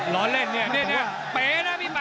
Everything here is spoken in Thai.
โหโหโหโหโห